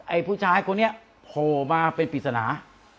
ผู้ชายคนนี้โผล่มาเป็นปริศนา